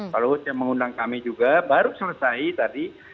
kalau yang mengundang kami juga baru selesai tadi